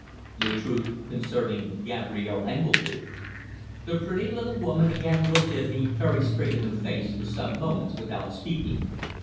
"The truth concerning Gabrielle Engledue." The pretty little woman again looked at me very straight in the face for some moments without speaking.